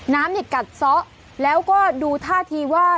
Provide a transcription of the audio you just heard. น้ำกัดซ้อแล้วก็ดูท่าที่ว่า